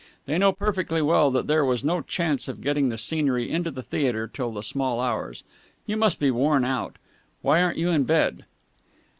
They know perfectly well that there was no chance of getting the scenery into the theatre till the small hours. You must be worn out. Why aren't you in bed?"